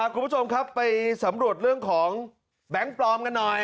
คุณผู้ชมครับไปสำรวจเรื่องของแบงค์ปลอมกันหน่อย